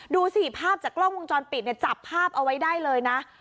ดูสิภาพจากกล้องวงจรปิดเนี่ยจับภาพเอาไว้ได้เลยนะ